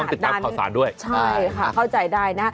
ติดตามข่าวสารด้วยใช่ค่ะเข้าใจได้นะ